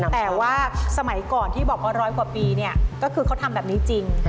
แต่ว่าสมัยก่อนที่บอกว่าร้อยกว่าปีเนี่ยก็คือเขาทำแบบนี้จริง